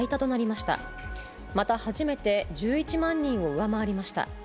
また初めて１１万人を上回りました。